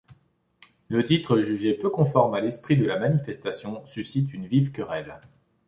Le titre, jugé peu conforme à l'esprit de la manifestation, suscite une vive querelle.